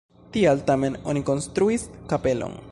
Tial tamen oni konstruis kapelon.